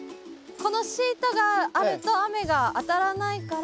このシートがあると雨が当たらないから。